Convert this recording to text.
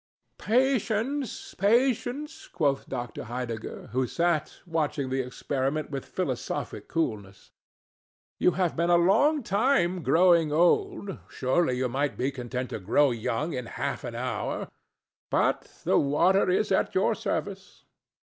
"Patience, patience!" quoth Dr. Heidegger, who sat, watching the experiment with philosophic coolness. "You have been a long time growing old; surely you might be content to grow young in half an hour. But the water is at your service."